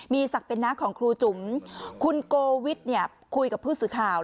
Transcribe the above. มีศักดิ์เป็นน้าของครูจุ๋มคุณโกวิทคุยกับผู้สื่อข่าว